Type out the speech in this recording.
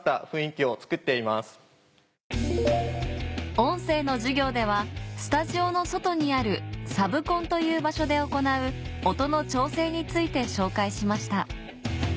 音声の授業ではスタジオの外にあるサブコンという場所で行う音の調整について紹介しました